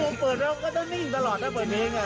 ผมเปิดแล้วก็ต้องนิ่งตลอดถ้าเปิดเพลง